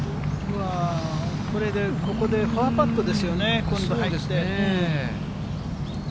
これで、ここでパーパットですよね、今度入れて。